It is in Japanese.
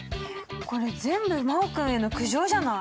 これ全部真旺君への苦情じゃない！